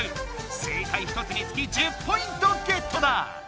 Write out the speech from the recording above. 正解１つにつき１０ポイントゲットだ！